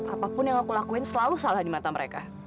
apapun yang aku lakuin selalu salah di mata mereka